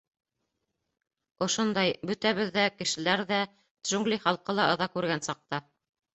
Ошондай... бөтәбеҙ ҙә — кешеләр ҙә, джунгли халҡы ла ыҙа күргән саҡта.